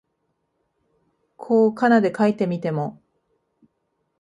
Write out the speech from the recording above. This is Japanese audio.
こう仮名で書いてみても、